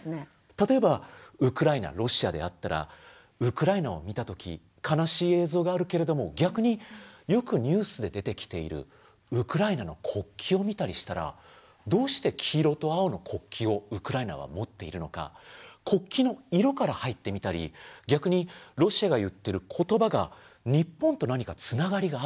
例えばウクライナロシアであったらウクライナを見た時悲しい映像があるけれども逆によくニュースで出てきているウクライナの国旗を見たりしたらどうして黄色と青の国旗をウクライナは持っているのか国旗の色から入ってみたり逆にロシアが言ってる言葉が日本と何かつながりがあるのか。